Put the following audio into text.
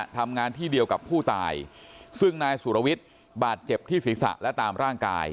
ทำงานที่เดียวกับผู้ตายซึ่งนายสุรวิทย์บาดเจ็บที่ศีรษะและตามร่างกาย